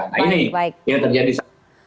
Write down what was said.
nah ini yang terjadi saat ini